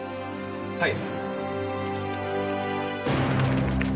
はい。